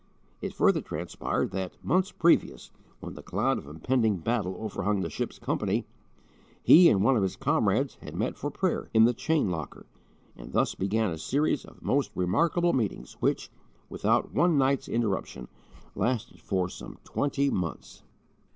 It further transpired that, months previous, when the cloud of impending battle overhung the ship's company, he and one of his comrades had met for prayer in the 'chain locker'; and thus began a series of most remarkable meetings which, without one night's interruption, lasted for some twenty months.